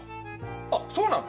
あっそうなの？